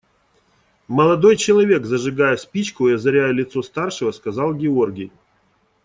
Молодой человек, – зажигая спичку и озаряя лицо старшего, сказал Георгий.